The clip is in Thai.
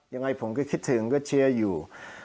ยังไงผมก็คิดถึงก็เชียร์อยู่